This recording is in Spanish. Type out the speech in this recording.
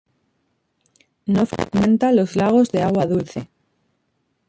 No frecuenta los lagos de agua dulce.